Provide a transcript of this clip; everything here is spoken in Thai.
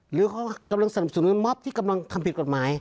หรือเขากำลังสนับสนุนมอบที่กำลังทำผิดกฎหมาย